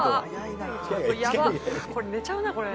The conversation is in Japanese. これ、寝ちゃうな、これ。